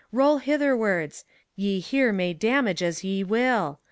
Roll hitherwards ! ye here may damage as ye will.